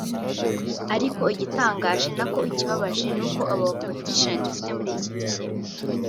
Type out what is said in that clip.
Ariko igitanganje (nako ikibabaje) nuko aba Politicians dufite muri iki gihe